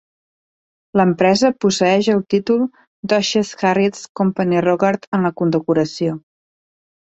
L'empresa posseeix el títol "Duchess Harriet's Company Rogart" en la condecoració.